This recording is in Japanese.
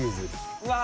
うわ！